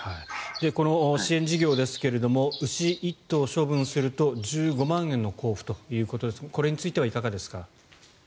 この支援事業ですが牛１頭処分すると１５万円の交付ということですがこれについてはいかがですか？